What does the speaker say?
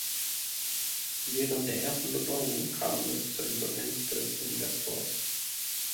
Während der ersten Bebauung kam es zur Insolvenz des Investors.